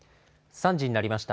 ３時になりました。